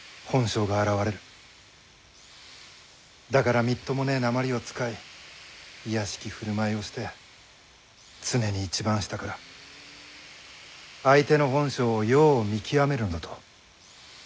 だからみっともねえなまりを使い卑しき振る舞いをして常に一番下から相手の本性をよう見極めるのだと。